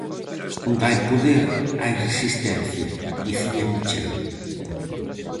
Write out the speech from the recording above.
"Onde hai poder hai resistencia", dicía Michel.